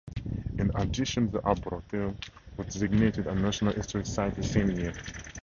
In addition, the Arboretum was designated a National Historic Site the same year.